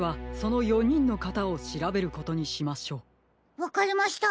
わかりました。